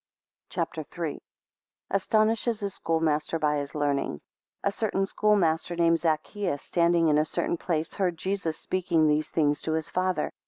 CHAPTER III. 1 Astonishes his schoolmaster by his learning. A CERTAIN schoolmaster named Zaccheaus, standing in a certain place, heard Jesus speaking these things to his father.